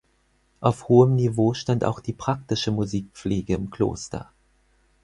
Auf hohem Niveau stand auch die praktische Musikpflege im Kloster.